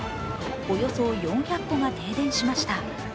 およそ４００戸が停電しました。